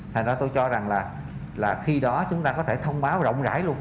thành ra tôi cho rằng là khi đó chúng ta có thể thông báo rộng rãi luôn